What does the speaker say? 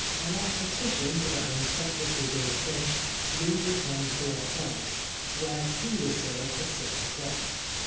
Our '< petition" to the Home Secretary being finished, we returned to om: cells, where tea was served at six o'clock.